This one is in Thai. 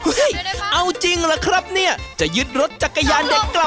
พี่เอาจริงละครับเนี้ยจะยึดรถจากกายยานเด็กกลับ